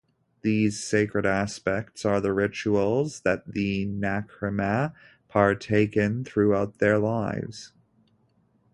These sacred aspects are the rituals that the Nacirema partake in throughout their lives.